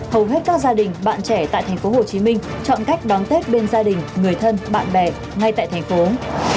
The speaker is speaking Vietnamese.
hầu hết các gia đình bạn trẻ tại tp hcm chọn cách đón tết bên gia đình người thân bạn bè ngay tại thành phố